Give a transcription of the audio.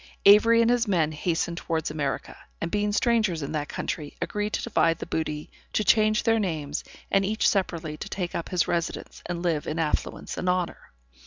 Avery and his men hastened towards America, and being strangers in that country, agreed to divide the booty, to change their names, and each separately to take up his residence, and live in affluence and honor.